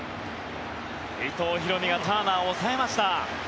伊藤大海がターナーを抑えました。